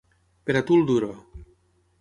Per a tu el duro!